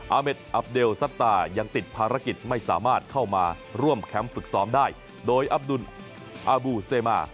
อาเมดอับเดลซัตตายังติดภารกิจไม่สามารถเข้ามาร่วมแคมป์ฝึกซ้อมได้โดยอับดุลอาบูเซมา